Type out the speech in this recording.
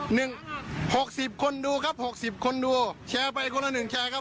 หกสิบคนดูครับหกสิบคนดูแชร์ไปคนละหนึ่งแชร์ครับ